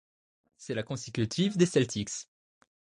C'est la consécutive des Celtics.